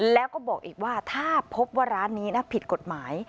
แล้วก็บอกอีกว่าถ้าพบว่าร้านนี้นะผิดกฎหมาย